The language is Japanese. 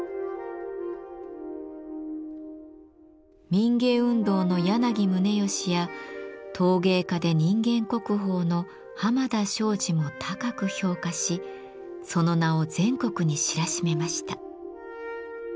民藝運動の柳宗悦や陶芸家で人間国宝の濱田庄司も高く評価しその名を全国に知らしめました。